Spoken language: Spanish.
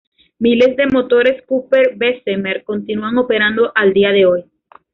Miles de motores Cooper-Bessemer continúan operando al día de hoy.